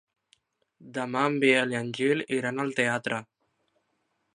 Demà en Biel i en Gil iran al teatre.